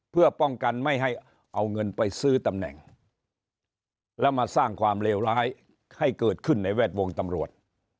เพื่อป้องกันไม่ให้เอาเงินไปซื้อตำแหน่งแล้วมาสร้างความเลวร้ายให้เกิดขึ้นในแวดวงตำรวจ